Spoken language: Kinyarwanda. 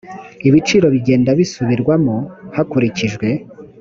ibiciro bigenda bisubirwamo hakurikijwe